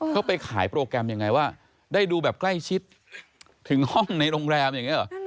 เขาไปขายโปรแกรมยังไงว่าได้ดูแบบใกล้ชิดถึงห้องในโรงแรมอย่างนี้หรอ